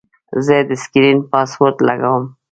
زه د سکرین پاسورډ لګوم.